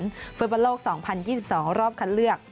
ก็ไม่แพ้ใครเลยในการแข่งขันฝุ่นประโลก๒๐๒๒รอบคันเลือก